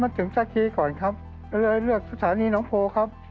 อย่างที่สองสถานีหนองโพครับ